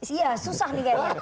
iya susah nih kayaknya